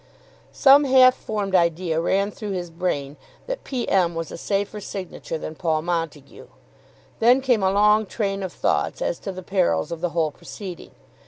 Some half formed idea ran through his brain that P. M. was a safer signature than Paul Montague. Then came a long train of thoughts as to the perils of the whole proceeding.